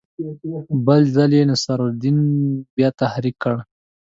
بل ځل یې نصرالدین بیا تحریک کړ.